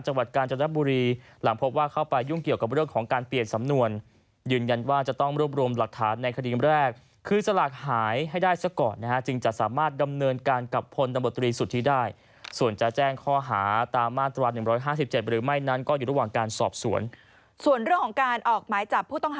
จังหวัดกาญชาณะบุรีหลังพบว่าเข้าไปยุ่งเกี่ยวกับเรื่องของการเปลี่ยนสำนวน